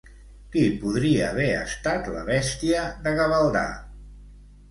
Qui podria haver estat la bèstia de Gavaldà?